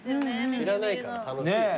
知らないから楽しいね。